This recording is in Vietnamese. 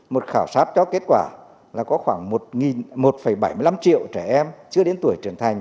một khảo sát cho kết quả là có khoảng một một bảy mươi năm triệu trẻ em chưa đến tuổi trưởng thành